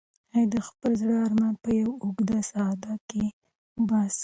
هغې د خپل زړه ارمان په یوې اوږدې ساه کې وباسه.